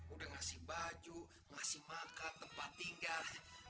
udah ngasih baju ngasih makan tempat tinggal